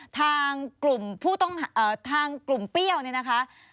ทางกลุ่มผู้ต้องทางกลุ่มเปรี้ยวเนี่ยนะคะ